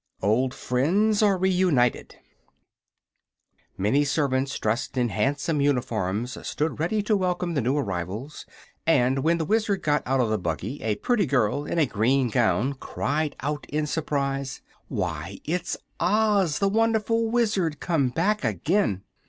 OLD FRIENDS ARE REUNITED Many servants dressed in handsome uniforms stood ready to welcome the new arrivals, and when the Wizard got out of the buggy a pretty girl in a green gown cried out in surprise: "Why, it's Oz, the Wonderful Wizard, come back again!"